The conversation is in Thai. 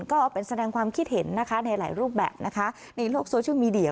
ก็เป็นแสดงความคิดเห็นนะคะในหลายรูปแบบนะคะในโลกโซเชียลมีเดีย